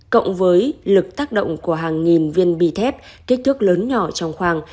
cộng với lực tác động của hàng nghìn viên bì thép kích thước lớn nhỏ trong khoang